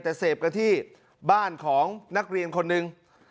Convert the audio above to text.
แต่เสพกันที่บ้านของนักเรียนคนหนึ่ง